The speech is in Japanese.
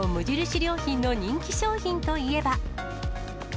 良品の人気商品といえば。